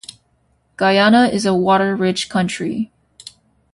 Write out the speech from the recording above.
Guyana is a water-rich country.